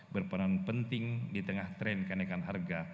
berperan penting di tengah tren kenaikan harga